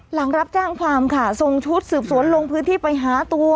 หลังรับแจ้งความค่ะส่งชุดสืบสวนลงพื้นที่ไปหาตัว